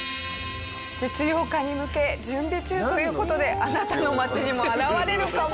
実用化に向け準備中という事であなたの街にも現れるかも。